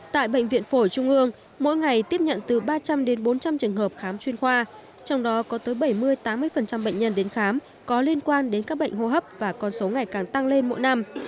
tại bệnh viện phổi trung ương mỗi ngày tiếp nhận từ ba trăm linh đến bốn trăm linh trường hợp khám chuyên khoa trong đó có tới bảy mươi tám mươi bệnh nhân đến khám có liên quan đến các bệnh hô hấp và con số ngày càng tăng lên mỗi năm